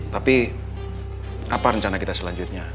tapi apa rencana kita selanjutnya